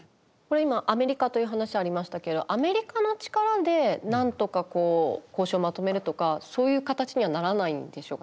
今アメリカという話ありましたけどアメリカの力でなんとか交渉をまとめるとかそういう形にはならないんでしょうか